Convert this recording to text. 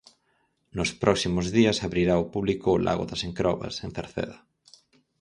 Nos próximos días abrirá ao público o lago das Encrobas, en Cerceda.